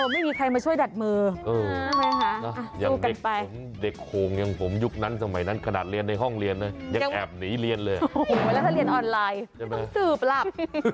ไม่ต้องสืบหลับ